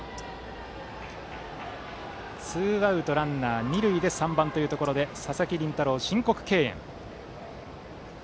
ツーアウトランナー、二塁で３番、佐々木麟太郎は申告敬遠。